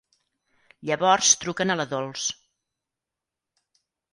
Llavors truquen a la Dols.